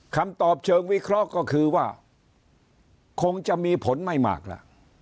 คำตอบเชิงวิเคราะห์ก็คือว่าคงจะมีผลไม่มากล่ะ